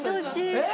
えっ？